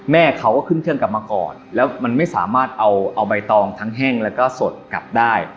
แม่เขาก็ขึ้นเครื่องกลับมาก่อนแล้วมันไม่สามารถเอาใบตองทั้งแห้งแล้วก็สดกลับได้